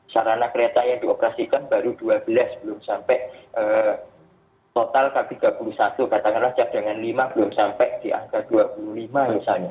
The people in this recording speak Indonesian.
sarana kereta yang dioperasikan baru dua belas belum sampai total k tiga puluh satu katakanlah cadangan lima belum sampai di angka dua puluh lima misalnya